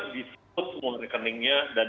disimpan semua rekeningnya dan